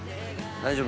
大丈夫？